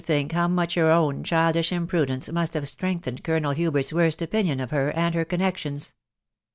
think how much hen owst childish irapsodence masts ha ve strength esed Colonel* Haberti* worst ofinionL o£' hn and. her con* neetions.